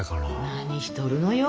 何しとるのよ。